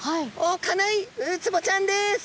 おっかないウツボちゃんです。